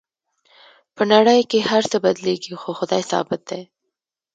په نړۍ کې هر څه بدلیږي خو خدای ثابت دی